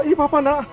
ini papa enggak